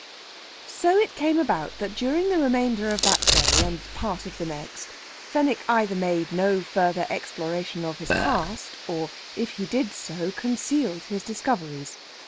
So it came about that during the remainder of that day and part of the next Fenwick either made no further exploration of his past; or, if he did so, concealed his discoveries.